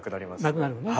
なくなるね。